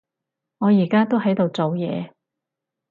我而家都喺度做嘢